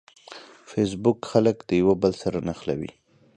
فېسبوک خلک د یوه بل سره نښلوي.